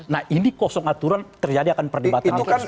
nah ini kosong aturan terjadi akan perdebatan